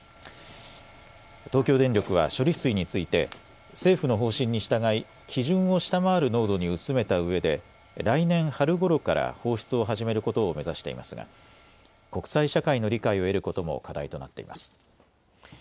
東京電力は処理水について政府の方針に従い、基準を下回る濃度に薄めたうえで来年春ごろから放出を始めることを目指していますが国際社会の理解を得ることも課題となっています。